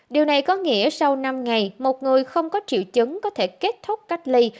điều này có nghĩa sau năm ngày một người không có triệu chứng có thể kết thúc cách ly